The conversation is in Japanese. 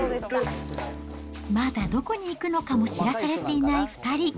まだどこに行くのかも知らされていない２人。